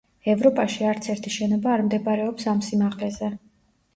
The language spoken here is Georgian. ევროპაში არც ერთი შენობა არ მდებარეობს ამ სიმაღლეზე.